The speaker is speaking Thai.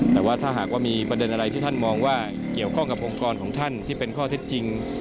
แต่ว่าถ้าหากว่ามีประเด็นอะไรที่ท่านมองว่าเกี่ยวข้องกับองค์กรของท่านที่เป็นข้อเท็จจริง